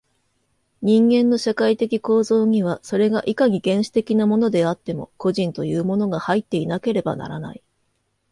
人間の社会的構造には、それがいかに原始的なものであっても、個人というものが入っていなければならない。